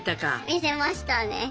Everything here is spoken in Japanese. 見せましたね。